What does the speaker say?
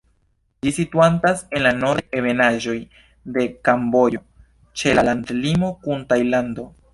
Ĝi situantas en la nordaj ebenaĵoj de Kamboĝo, ĉe la landlimo kun Tajlando.